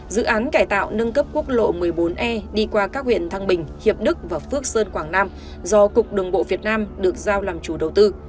dự án cải tạo nâng cấp quốc lộ một mươi bốn e đi qua các huyện thăng bình hiệp đức và phước sơn quảng nam do cục đường bộ việt nam được giao làm chủ đầu tư